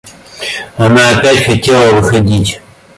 Она опять хотела выходить.